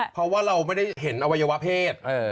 เพราะว่าเราไม่ได้เห็นอวัยวะเพศ